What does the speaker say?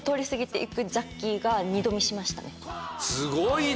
すごいね。